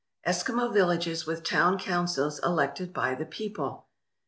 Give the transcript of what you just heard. ESKIMO villages with town councils elected by the people!